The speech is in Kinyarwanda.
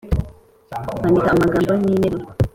-kwandika amagambo n’interuro